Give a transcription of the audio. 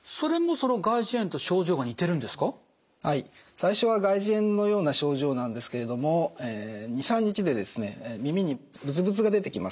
最初は外耳炎のような症状なんですけれども２３日で耳にブツブツが出てきます。